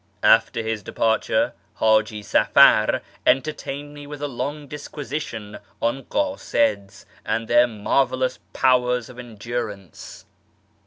After his departure Haji Safar entertained me with a long disquisition on kdsids and their marvellous powers of endur ance.